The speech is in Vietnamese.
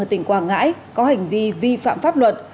tỉnh quảng ngãi có hành vi vi phạm pháp luật